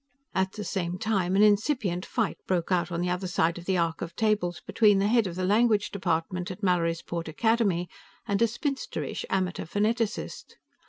At the same time, an incipient fight broke out on the other side of the arc of tables between the head of the language department at Mallorysport Academy and a spinsterish amateur phoneticist.